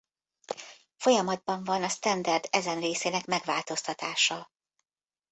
Folyamatban van a standard ezen részének megváltoztatása.